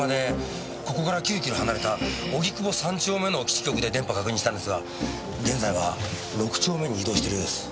ここから９キロ離れた荻窪３丁目の基地局で電波確認したんですが現在は６丁目に移動しているようです。